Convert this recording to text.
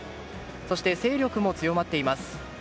そして、勢力も強まっています。